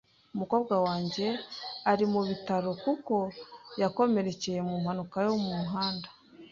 Umukobwa wanjye ari mu bitaro kuko yakomerekeye mu mpanuka yo mu muhanda.